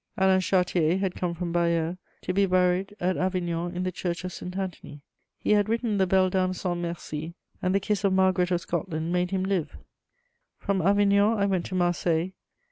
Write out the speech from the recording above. Alain Chartier had come from Bayeux to be buried at Avignon in the Church of St. Anthony. He had written the Belle Dame sans mercy, and the kiss of Margaret of Scotland made him live. [Sidenote: Marseilles.] From Avignon I went to Marseilles.